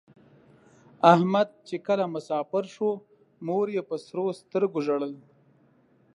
احمد چې کله مسافر شو مور یې په سرو سترگو ژړل.